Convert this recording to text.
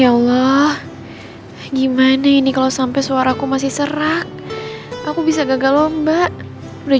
ya allah gimana ini kalau sampai suaraku masih serak aku bisa gagal lomba udah